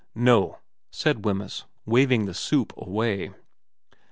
' No,' said Wemyss, waving the soup away.